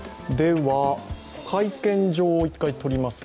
会見場を１回、とりますか。